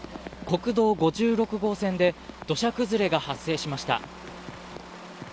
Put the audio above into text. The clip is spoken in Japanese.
国道５６号線で土砂崩れが発生しました。